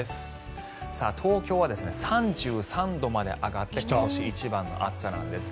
東京は３３度まで上がって今年一番の暑さなんです。